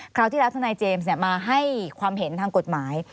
คราวที่แล้วทนายเจมส์มาให้ความเห็นทางกฎหมาย